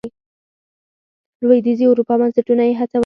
لوېدیځې اروپا بنسټونه یې هڅول.